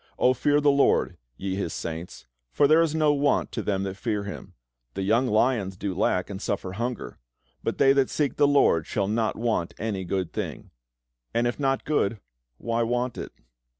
O fear the LORD, ye His saints: for there is no want to them that fear Him. The young lions do lack, and suffer hunger: but they that seek the LORD shall not want any good thing" and if not good, why want it?